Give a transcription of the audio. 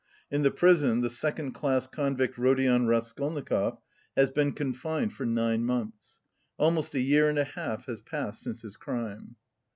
In the prison the second class convict Rodion Raskolnikov has been confined for nine months. Almost a year and a half has passed since his crime.